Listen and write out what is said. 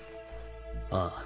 ああ。